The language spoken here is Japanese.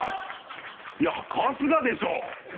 いや春日でしょ！